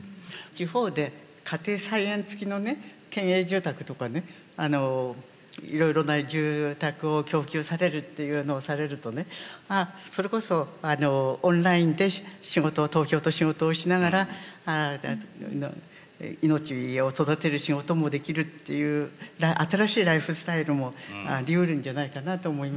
地方で家庭菜園付きのね県営住宅とかねいろいろな住宅を供給されるっていうのをされるとねそれこそオンラインで仕事を東京と仕事をしながら命を育てる仕事もできるっていう新しいライフスタイルもありうるんじゃないかなと思います。